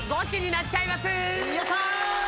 やった！